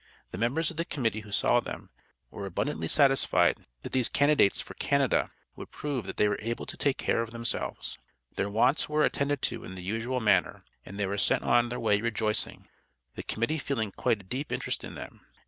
The members of the Committee who saw them, were abundantly satisfied that these candidates for Canada would prove that they were able to "take care of themselves." Their wants were attended to in the usual manner, and they were sent on their way rejoicing, the Committee feeling quite a deep interest in them.